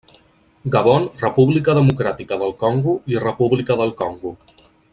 Gabon, República Democràtica del Congo i República del Congo.